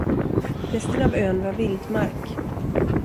Resten av ön var vildmark.